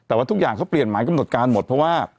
แต่ว่าทุกอย่างเขาเปลี่ยนหมายกำหนดการหมดเพราะว่า